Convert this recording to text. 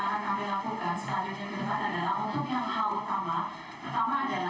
pertama adalah kami akan memberikan pemenuhan kebutuhan dasar